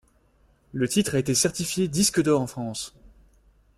Le titre a été certifié disque d'or en France.